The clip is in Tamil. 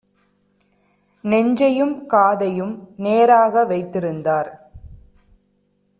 நெஞ்சையும் காதையும் நேராக வைத்திருந்தார்: